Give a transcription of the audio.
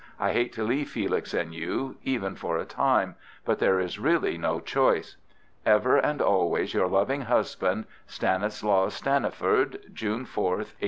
I hate to leave Felix and you—even for a time—but there is really no choice. "Ever and always your loving husband, STANISLAUS STANNIFORD. "June 4th, 1887."